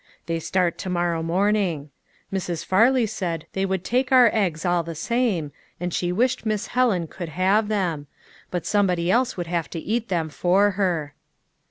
They start to morrow morn ing. Mrs. Farley said they would take our eggs all the same, and she wished Miss Helen could have them ; but somebody else would have to eat them for her."